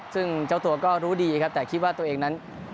ซึ่งเจ้าตัวก็รู้ดีครับแต่คิดว่าตัวเองนั้น